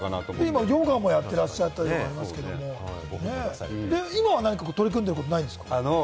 今、ヨガやってらっしゃったりもしますけど、今は何か取り組んでいることないんですか？